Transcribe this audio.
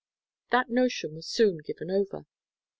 That notion was soon given over.